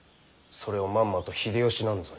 それをまんまと秀吉なんぞに。